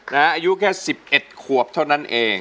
อายุแค่๑๑ขวบเท่านั้นเอง